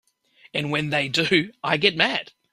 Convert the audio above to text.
And when they do I get mad.